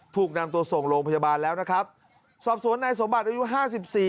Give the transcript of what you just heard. ถูกนำตัวส่งโรงพยาบาลแล้วนะครับสอบสวนนายสมบัติอายุห้าสิบสี่